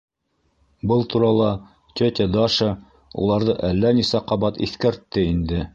Был турала тетя Даша уларҙы әллә нисә ҡабат иҫкәртте инде.